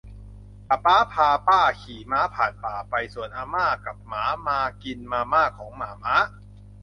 ปะป๊าพาป้าขี่ม้าผ่านป่าไป ส่วนอาม่ากับหมามากินมาม่าของหม่าม้า